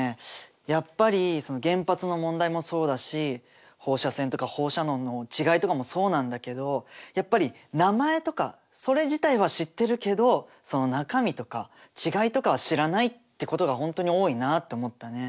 やっぱり原発の問題もそうだし放射線とか放射能の違いとかもそうなんだけどやっぱり名前とかそれ自体は知ってるけどその中身とか違いとかは知らないってことが本当に多いなって思ったね。